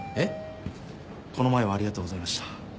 この前はありがとうございました。